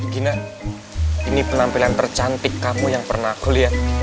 gina ini penampilan tercantik kamu yang pernah kuliah